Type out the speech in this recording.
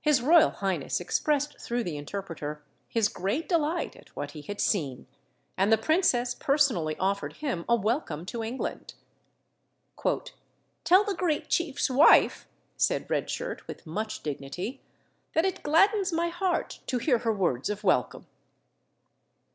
His royal highness expressed through the interpreter his great delight at what he had seen, and the princess personally offered him a welcome to England. "Tell the great chief's wife," said Red Shirt with much dignity, "that it gladdens my heart to hear her words of welcome."